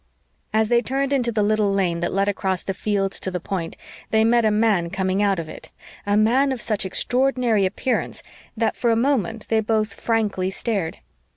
As they turned into the little lane that led across the fields to the Point they met a man coming out of it a man of such extraordinary appearance that for a moment they both frankly stared.